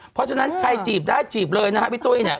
เพราะฉะนั้นใครจีบได้จีบเลยนะฮะพี่ตุ้ยเนี่ย